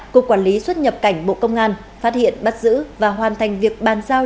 cục quản lý xuất nhập cảnh bộ công an phát hiện bắt giữ và hoàn thành việc bàn giao